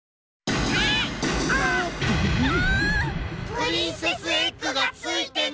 プリンセスエッグがついてない。